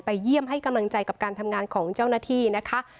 เยี่ยมให้กำลังใจกับการทำงานของเจ้าหน้าที่นะคะ